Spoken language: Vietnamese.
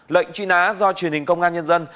lệnh truy nã do truyền hình công an nhân dân